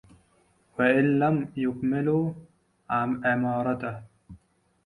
وَإِنْ لَمْ يُكْمِلُوا عِمَارَتَهُ